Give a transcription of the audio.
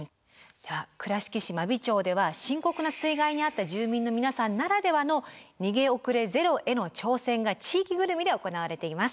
では倉敷市真備町では深刻な水害に遭った住民の皆さんならではの逃げ遅れゼロへの挑戦が地域ぐるみで行われています。